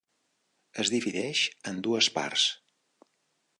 Es divideix en dues parts.